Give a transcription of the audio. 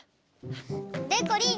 でこりん！